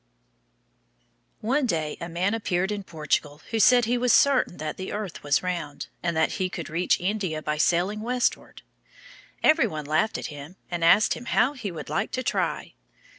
One day a man appeared in Portugal, who said he was certain that the earth was round, and that he could reach India by sailing westward. Every one laughed at him and asked him how he would like to try.